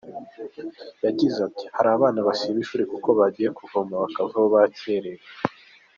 Yagize ati “Hari abana basiba ishuri kubera ko bagiye kuvoma bakavayo bakerewe.